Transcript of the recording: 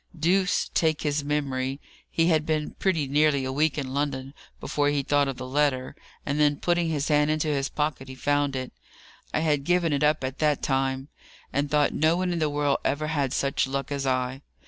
Deuce take his memory! he had been pretty nearly a week in London before he thought of the letter, and then putting his hand into his pocket he found it. I had given it up by that time, and thought no one in the world ever had such luck as I.